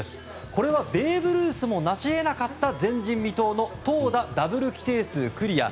これはベーブ・ルースもなし得なかった前人未到の投打ダブル規定数クリア。